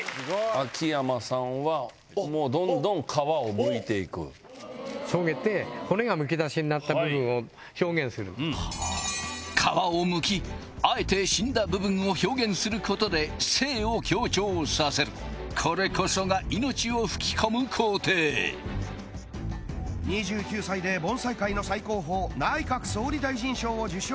秋山さんはもうどんどん皮をむいていくそげて骨がむき出しになった部分を表現する皮をむきあえて死んだ部分を表現することで生を強調させるこれこそが命を吹き込む工程２９歳で盆栽界の最高峰内閣総理大臣賞を受賞！